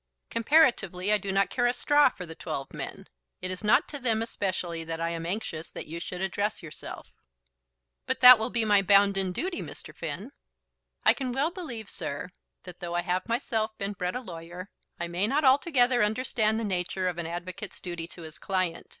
"Comparatively I do not care a straw for the twelve men. It is not to them especially that I am anxious that you should address yourself " "But that will be my bounden duty, Mr. Finn." "I can well believe, sir, that though I have myself been bred a lawyer, I may not altogether understand the nature of an advocate's duty to his client.